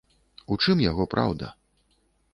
У чым яго праўда?